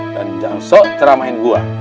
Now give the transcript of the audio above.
dan jangan sok ceramahin gua